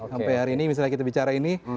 sampai hari ini misalnya kita bicara ini